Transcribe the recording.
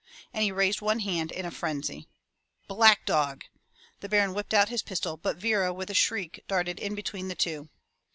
*' And he raised one hand in a frenzy. "Back, dog!'* the Baron whipped out his pistol, but Vera with a shriek, darted in between the two.